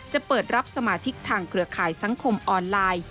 จะเปิดรับสมาชิกทางเครือข่ายสังคมออนไลน์